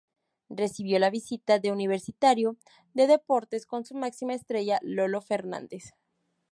Recibió la visita de Universitario de Deportes con su máxima estrella, Lolo Fernández.